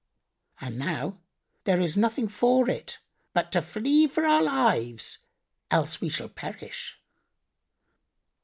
And now there is nothing for it but to flee for our lives, else shall we perish."